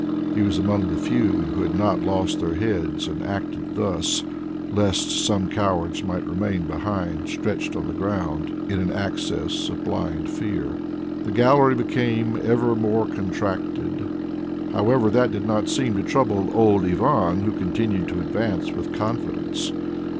He was among the few who had not lost their heads and acted thus, lest some cowards might remain behind stretched on the ground in an access of blind fear. The gallery became ever more contracted. However, that did not seem to trouble old Ivan, who continued to advance with confidence.